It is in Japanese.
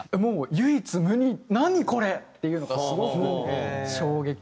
唯一無二「何？これ！」っていうのがすごく衝撃で。